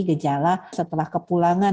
gejala setelah kepulangan